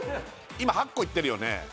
今８個いってるよね